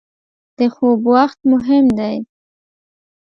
• د خوب وخت مهم دی.